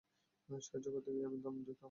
সাহায্য করতে পেরে আমি আনন্দিত।